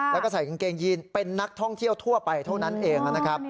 แล้วก็ใส่กางเกงยีนเป็นนักท่องเที่ยวทั่วไปเท่านั้นเองนะครับ